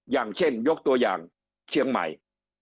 อย่างเช่นยกตัวอย่างเชียงใหม่